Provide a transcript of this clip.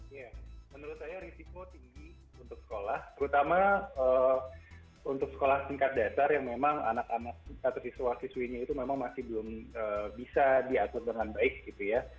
ya menurut saya risiko tinggi untuk sekolah terutama untuk sekolah tingkat dasar yang memang anak anak atau siswa siswinya itu memang masih belum bisa diatur dengan baik gitu ya